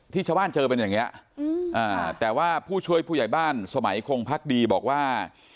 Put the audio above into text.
ชาวบ้านเจอเป็นอย่างนี้แต่ว่าผู้ช่วยผู้ใหญ่บ้านสมัยคงพักดีบอกว่า